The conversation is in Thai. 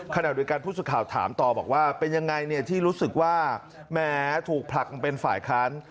ขณะโดยการพูดสุข่าวถามตอบอกว่าเป็นยังไงที่รู้สึกว่าแม้ถูกผลักเป็นฝ่ายค้าน